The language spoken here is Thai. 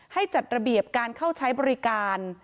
ให้จัดระเบียบการเข้าใช้บริการ